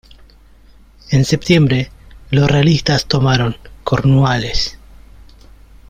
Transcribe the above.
En septiembre, los realistas tomaron Cornualles.